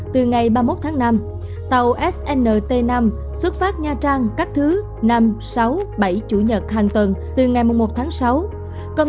từ ngày ba mươi một tháng năm chạy các thứ bốn năm sáu bảy hàng tuần